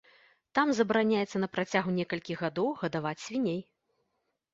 Там забараняецца на працягу некалькіх гадоў гадаваць свіней.